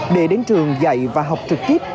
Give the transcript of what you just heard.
để đến trường dạy và học trực tiếp